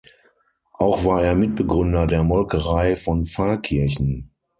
Auch war er Mitbegründer der Molkerei von Pfarrkirchen.